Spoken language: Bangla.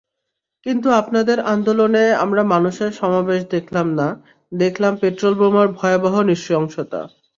কিন্তু আপনাদের আন্দোলনে আমরা মানুষের সমাবেশ দেখলাম না, দেখলাম পেট্রলবোমার ভয়াবহ নৃশংসতা।